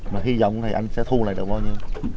mà hy vọng thì anh sẽ thu lại được bao nhiêu